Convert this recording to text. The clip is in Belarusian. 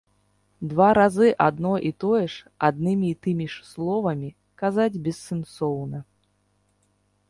Два разы адно і тое ж аднымі і тымі ж словамі казаць бессэнсоўна.